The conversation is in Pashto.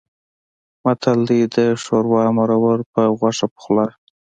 متل دی: د شوروا مرور په غوښه پخلا.